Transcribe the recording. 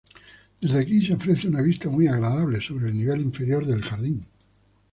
Desde aquí se ofrece una vista muy agradable sobre el nivel inferior del jardín.